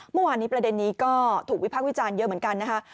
เมื่อวานนี้ประเด็นนี้ก็ถูกวิพากษ์วิจารณ์เยอะเหมือนกันนะคะ